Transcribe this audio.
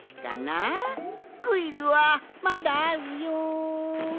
クイズはまだあるよん。